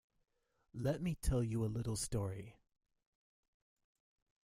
Let me tell you a little story.